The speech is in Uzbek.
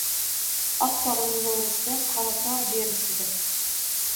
Oqtogʻning narisida, Qoratogʻ berisida